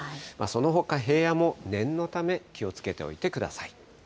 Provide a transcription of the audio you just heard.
そのほか、平野も念のため気をつけておいてください。